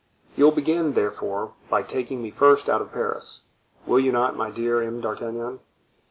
"You will begin, therefore, by taking me first out of Paris, will you not, my dear M. d'Artagnan?"